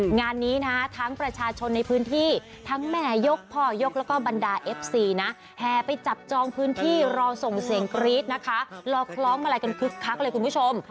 งานนี้นะทั้งประชาชนในพื้นที่ทั้งแม่ยกพ่อยกแล้วก็บรรดาเอฟซีนะแห่ไปจับจองพื้นที่รอส่งเสียงกรี๊ดนะคะรอคล้องอะไรกันคึกคักเลยคุณผู้ชม